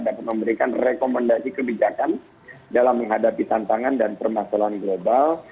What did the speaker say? dapat memberikan rekomendasi kebijakan dalam menghadapi tantangan dan permasalahan global